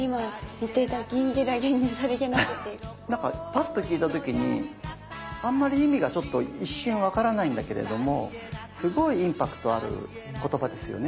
なんかパッと聞いた時にあんまり意味がちょっと一瞬分からないんだけれどもすごいインパクトある言葉ですよね。